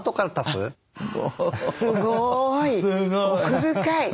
すごい。